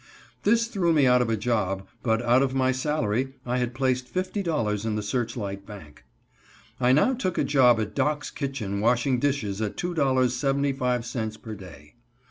This threw me out of a job, but out of my salary I had placed $50.00 in the Searchlight Bank. I now took a job at Doc's Kitchen washing dishes at two dollars and seventy five cents per day.